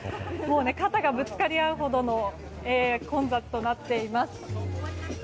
肩がぶつかり合うほどの混雑となっています。